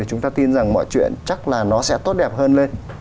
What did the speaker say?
chúng ta tin rằng mọi chuyện chắc là nó sẽ tốt đẹp hơn lên